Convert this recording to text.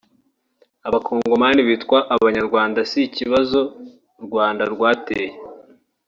“Abakongomani bitwa Abanyarwanda si ikibazo u Rwanda rwateye